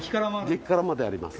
激辛まであります。